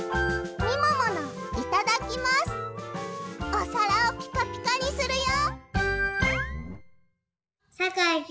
おさらをピカピカにするよ！